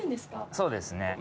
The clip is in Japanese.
そうですね。